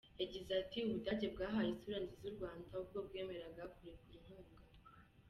Yagize ati “U Budage bwahaye isura nziza u Rwanda ubwo bwemeraga kurekura inkunga.